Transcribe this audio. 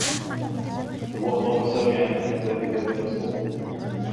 توقّف سامي عن إحداث ذلك الصّوت.